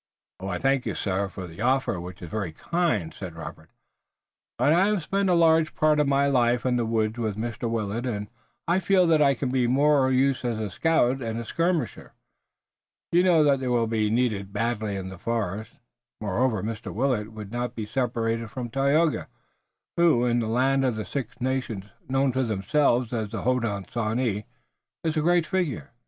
"I thank you, sir, for the offer, which is very kind," said Robert, "but I have spent a large part of my life in the woods with Mr. Willet, and I feel that I can be of more use as a scout and skirmisher. You know that they will be needed badly in the forest. Moreover, Mr. Willet would not be separated from Tayoga, who in the land of the Six Nations, known to themselves as the Hodenosaunee, is a great figure."